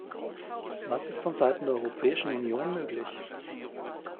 Was ist von Seiten der Europäischen Union möglich?